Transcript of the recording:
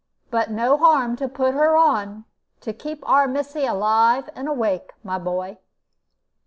But no harm to put her on, to keep our missy alive and awake, my boy."